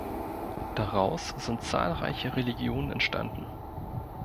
Daraus sind zahlreiche Religionen entstanden.